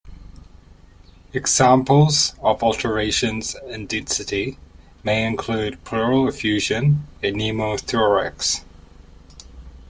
Examples of alterations in density may include pleural effusion and pneumothorax.